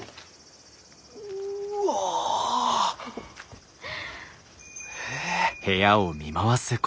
うわ！へえ。